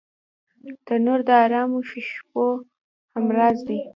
تنور د ارامو شپو همراز دی